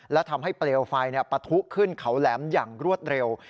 และทำให้เปลวไฟปะทุขึ้นเขาแหลมอย่างรวดเร็ว